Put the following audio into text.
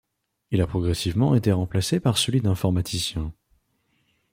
Il a progressivement été remplacé par celui d'informaticien.